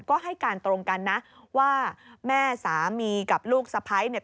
ก็ให้การตรงกันนะว่าแม่สามีกับลูกสะพ้ายเนี่ย